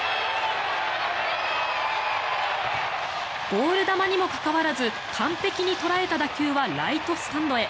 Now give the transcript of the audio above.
ボール球にもかかわらず完璧に捉えた打球はライトスタンドへ。